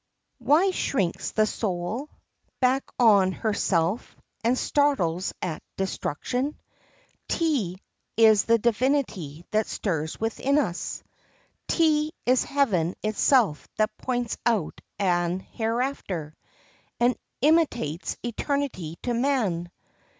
] "Why shrinks the soul Back on herself, and startles at destruction? 'T is the divinity that stirs within us; 'T is heaven itself that points out an hereafter, And intimates eternity to man.